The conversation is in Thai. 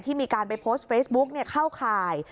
มีการไปโพสต์เฟซบุ๊กเข้าข่าย